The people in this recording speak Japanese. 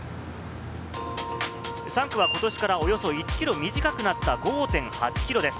３区はことしからおよそ１ｋｍ短くなった５．８ｋｍです。